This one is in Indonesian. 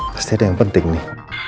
pasti ada yang penting nih